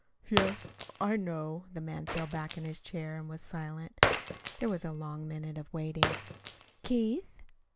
"Yes, I know." The man fell back in his chair and was silent. There was a long minute of waiting. "Keith."